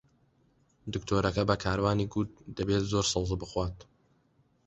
دکتۆرەکە بە کاروانی گوت دەبێت زۆر سەوزە بخوات.